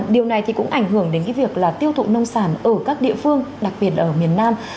điều này thì cũng ảnh hưởng đến cái việc là tiêu thụ nông sản ở các địa phương đặc biệt ở miền nam